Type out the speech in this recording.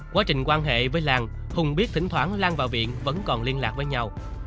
quá trình quan hệ với lan hùng biết thỉnh thoảng lan và viện vẫn còn liên lạc với nhau